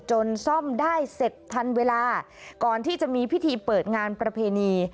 ซ่อมได้เสร็จทันเวลาก่อนที่จะมีพิธีเปิดงานประเพณี